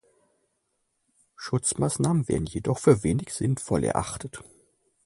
Schutzmaßnahmen werden jedoch für wenig sinnvoll erachtet.